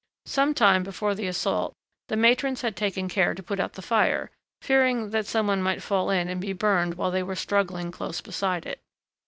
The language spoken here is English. Some time before the assault, the matrons had taken care to put out the fire, fearing that some one might fall in and be burned while they were struggling close beside it.